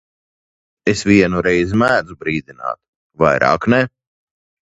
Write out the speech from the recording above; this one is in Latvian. Es vienu reizi mēdzu brīdināt, vairāk ne.